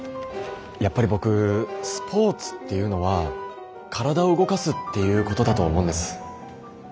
やっぱり僕スポーツっていうのは体を動かすっていうことだと思うんです。